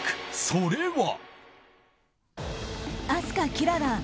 それは。